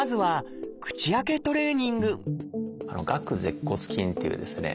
まずは「顎舌骨筋」っていうですね